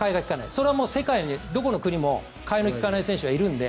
それは世界のどこの国でも替えの利かない選手はいるので。